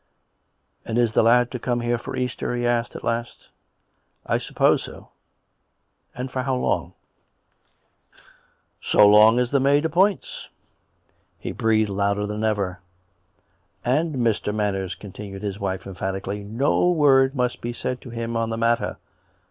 " And is the lad to come here for Easter? " he asked at last. " I suppose so." " And for how long ?"" So long as the maid appoints." He breathed louder than ever. " And, Mr. Manners," continued his wife emphatically, " no word must be said to him on the matter.